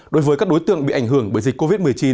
đối với các đối tượng bị ảnh hưởng bởi dịch covid một mươi chín